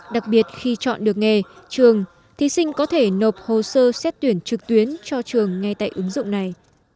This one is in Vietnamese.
đặc biệt khi chọn được nghề trường thí sinh có thể nộp hồ sơ xét tuyển trực tuyến cho trường ngay tại ứng dụng này